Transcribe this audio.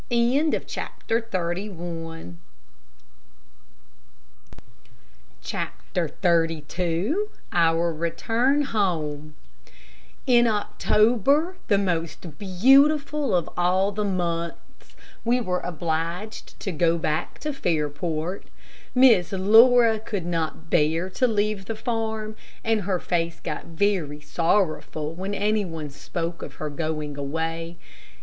CHAPTER XXXII OUR RETURN HOME In October, the most beautiful of all the months, we were obliged to go back to Fairport. Miss Laura could not bear to leave the farm, and her face got very sorrowful when any one spoke of her going away.